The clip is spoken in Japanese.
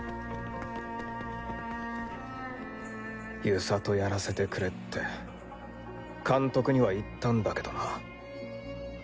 遊佐とやらせてくれって監督には言ったんだけどな。